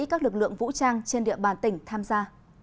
các lực lượng vũ trang trên địa bàn tỉnh tham gia